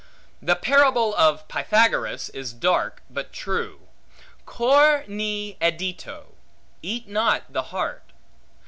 The parable of Pythagoras is dark, but true; Cor ne edito; Eat not the heart.